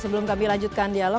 sebelum kami lanjutkan dialog